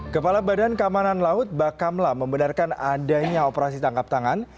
kepala badan keamanan laut bakamla membenarkan adanya operasi tangkap tangan